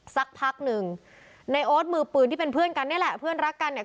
สักพักหนึ่งในโอ๊ตมือปืนที่เป็นเพื่อนกันนี่แหละเพื่อนรักกันเนี่ย